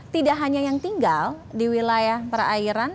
tidak hanya yang tinggal di wilayah perairan